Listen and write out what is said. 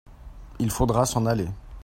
il faudra s'en aller.